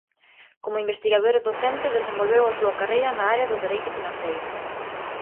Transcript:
Como investigador e docente desenvolveu a súa carreira na área do dereito financeiro.